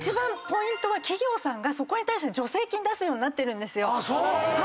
ポイントは企業さんがそこに対して助成金出すようになってるんですよ。